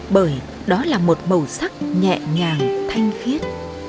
bởi đó là một màu sắc nhẹ nhàng thanh khiết